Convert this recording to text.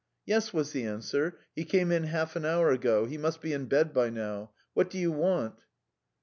"Yes," was the answer, "he came in half an hour ago. He must be in bed by now. What do you want?"